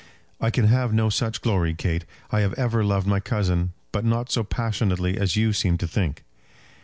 "I can have no such glory, Kate. I have ever loved my cousin; but not so passionately as you seem to think."